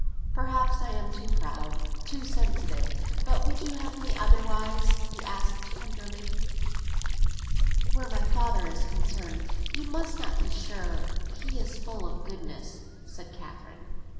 "Perhaps I am too proud—too sensitive. But would you have me otherwise?" he asked tenderly. "Where my father is concerned, you must not be sure. He is full of goodness," said Catherine.